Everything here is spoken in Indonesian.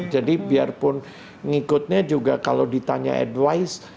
jadi biarpun ngikutnya juga kalau ditanya advice